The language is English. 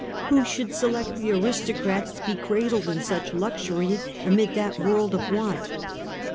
Who should elect the aristocrats to be cradled in such luxury amid that world of want?